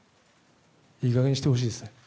いい加減にしてほしいですね。